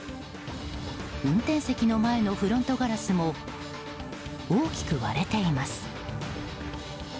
運転席の前のフロントガラスも大きく割れています。